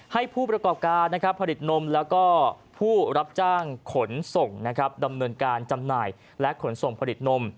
ให้ผู้ประกอบการผลิตนมแล้วก็ผู้รับจ้างขนส่งดำเนินการจำหน่ายและขนส่งผลิตนม